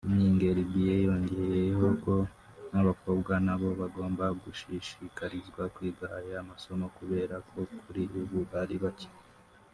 Mingelbier yongeyeho ko n’abakobwa nabo bagomba gushishi karizwa kwiga aya masomo kubera ko kuri ubu ari bake